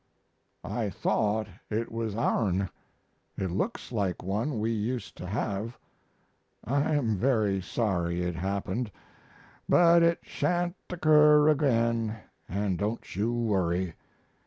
I thought it was ourn, it looks like one we used to have. I am very sorry it happened, but it sha'n't occur again & don't you worry.